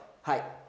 はい。